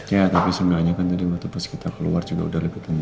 ya tapi sebenarnya kan tadi waktu pas kita keluar juga udah lebih tinggi